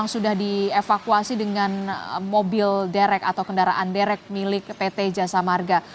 yang sudah dilakukan sementara satu mobil lagi yang memang sudah dievakuasi dengan mobil derek atau kendaraan derek milik pt jasa marga